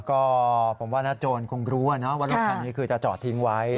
ก็ผมว่าถ้าโจรคงรู้ว่ารถคันนี้คือจะจอดทิ้งไว้